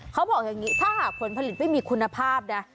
เขาบอกอย่างนี้ถ้าหากผลผลิตไม่มีคุณภาพนะ